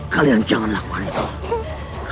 kalian jangan lakukan itu